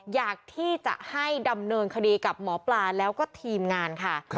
อยากที่จะให้ดำเนินคดีกับหมอปลาแล้วก็ทีมงานค่ะ